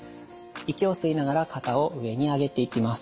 息を吸いながら肩を上に上げていきます。